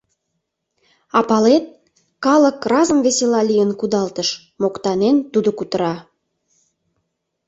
А палет, калык разым весела лийын кудалтыш, — моктанен, тудо кутыра.